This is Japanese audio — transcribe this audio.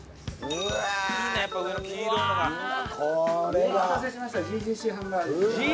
お待たせしましたＧＧＣハンバーグ。